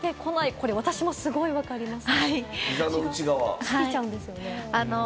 これ私もすごい分かります。